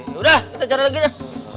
sudah kita cari lagi deh